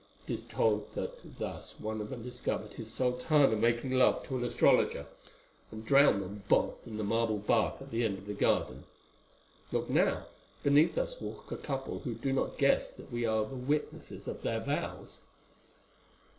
It is told that thus one of them discovered his sultana making love to an astrologer, and drowned them both in the marble bath at the end of the garden. Look now, beneath us walk a couple who do not guess that we are the witnesses of their vows.